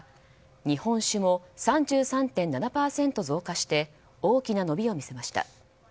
日本酒も３３．７％増加して大きな伸びを見せました。